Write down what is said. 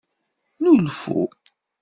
Nnulfu.